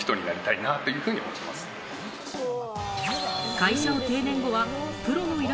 会社を定年後は、プロのイラ